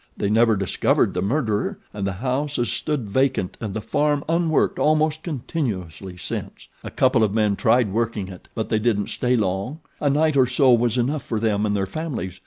They never discovered the murderer, and the house has stood vacant and the farm unworked almost continuously since. A couple of men tried working it; but they didn't stay long. A night or so was enough for them and their families.